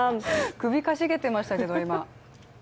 首かしげてましたけど、今。